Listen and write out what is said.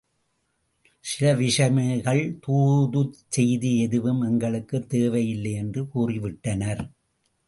சில விஷமிகள், தூதுச் செய்தி எதுவும் எங்களுக்குத் தேவை இல்லை என்று கூறி விட்டனர்.